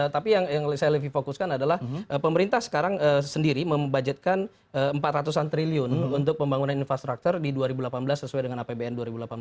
tapi yang saya lebih fokuskan adalah pemerintah sekarang sendiri membajatkan empat ratus an triliun untuk pembangunan infrastruktur di dua ribu delapan belas sesuai dengan apbn dua ribu delapan belas